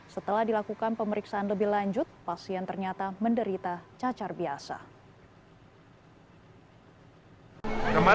setelah dilakukan pemeriksaan lebih lanjut pasien ternyata menderita cacar biasa